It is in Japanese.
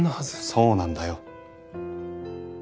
そうなんだよ。